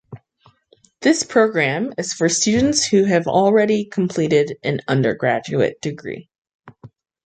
This program is for students who have already completed an undergraduate degree.